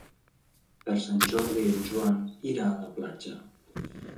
Per Sant Jordi en Joan irà a la platja.